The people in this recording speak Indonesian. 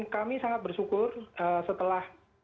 kami sangat bersyukur setelah